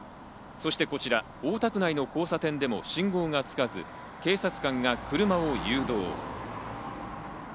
そしてこちら大田区内の交差点でも信号がつかず、警察官が車を誘導。